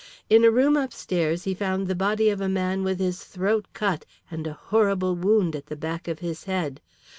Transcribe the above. In a room upstairs he found the body of a man with his throat cut and a horrible wound at the back of his head.